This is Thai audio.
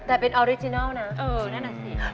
แต่เป็นออริจินัลนะ